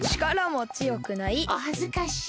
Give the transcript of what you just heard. おはずかしい。